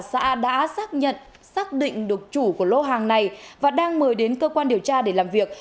xã đã xác nhận xác định được chủ của lô hàng này và đang mời đến cơ quan điều tra để làm việc